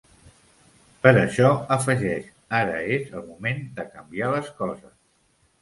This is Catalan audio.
Per això, afegeix, “ara és el moment de canviar les coses”.